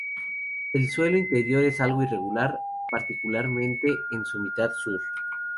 El suelo interior es algo irregular, particularmente en su mitad sur.